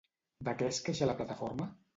De què es queixa la plataforma?